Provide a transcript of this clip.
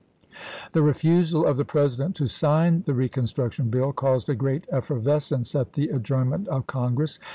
The refusal of the President to sign the recon struction bill caused a great effervescence at the adjournment of Congress.